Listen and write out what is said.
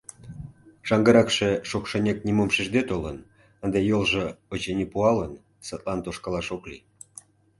Шаҥгыракше шокшынек нимом шижде толын, ынде йолжо, очыни, пуалын, садлан тошкалаш ок лий.